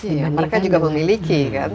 iya mereka juga memiliki kan